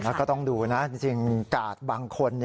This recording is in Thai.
แล้วก็ต้องดูนะจริงกาดบางคน